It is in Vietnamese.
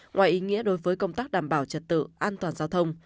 ngoài ý nghĩa đối với công tác đảm bảo trật tự an toàn giao thông